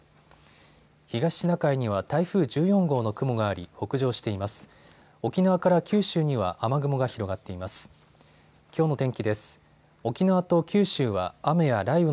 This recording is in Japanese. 東シナ海には台風１４号の雲があり、北上しています。